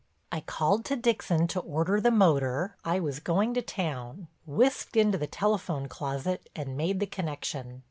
I called to Dixon to order the motor—I was going to town—whisked into the telephone closet, and made the connection.